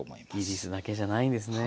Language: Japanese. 技術だけじゃないんですね。